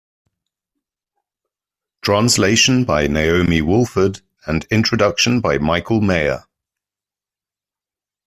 Translation by Naomi Walford and introduction by Michael Meyer.